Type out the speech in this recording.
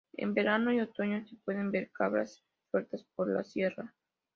En verano y otoño se pueden ver cabras sueltas por la sierra.